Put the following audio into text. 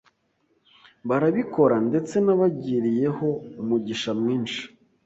barabikora ndetse nabagiriyeho umugisha mwinshi